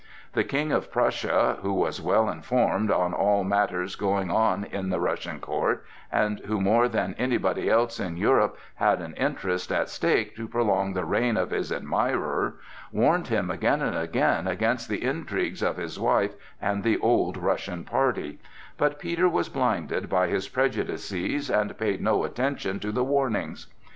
The King of Prussia, who was well informed on all matters going on at the Russian court, and who more than anybody else in Europe had an interest at stake to prolong the reign of his admirer, warned him again and again against the intrigues of his wife and the "old Russian party," but Peter was blinded by his prejudices and paid no attention to the warnings.